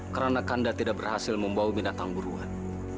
karena kanda tidak berhasil membawa binatang buruan